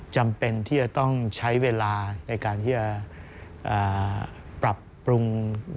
จำเป็นที่จะต้องใช้เวลาในการที่จะปรับปรุง